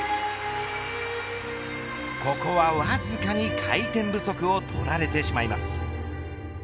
ここはわずかに回転不足を取られてしまいます。